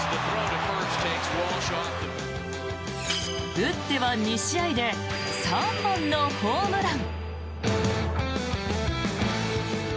打っては２試合で３本のホームラン。